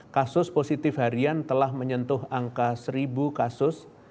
kasus positif harian telah menyentuh angka seribu kasus